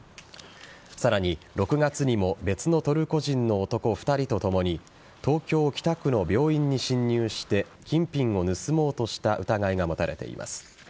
さらに６月にも別のトルコ人の男２人とともに東京・北区の病院に侵入して金品を盗もうとした疑いが持たれています。